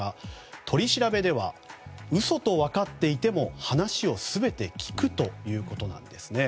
取り調べでは嘘と分かっていても話を全て聞くということなんですね。